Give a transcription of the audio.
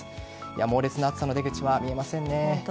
猛烈な暑さの出口は見えませんね。